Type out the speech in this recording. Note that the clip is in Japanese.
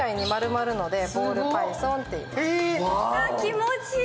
あ、気持ちいい。